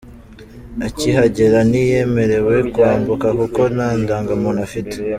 Akihagera ntiyemerewe kwambuka kuko nta Ndangamuntu afite.